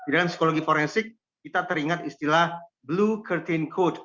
dalam psikologi forensik kita teringat istilah blue curtain code